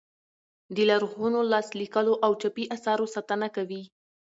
د لرغونو لاس لیکلو او چاپي اثارو ساتنه کوي.